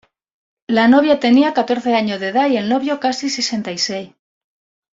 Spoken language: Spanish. La novia tenía catorce años de edad y el novio casi sesenta y seis.